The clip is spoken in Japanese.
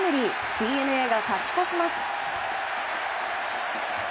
ＤｅＮＡが勝ち越します。